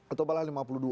atau apalah lima puluh dua